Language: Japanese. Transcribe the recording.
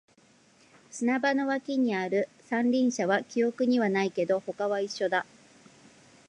砂場の脇にある三輪車は記憶にはないけど、他は一緒だ